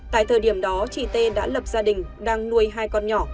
tại thời điểm đó chị t đã lập gia đình đang nuôi hai con nhỏ